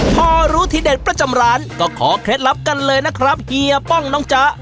พอรู้ทีเด็ดประจำร้านก็ขอเคล็ดลับกันเลยนะครับเฮียป้องน้องจ๊ะ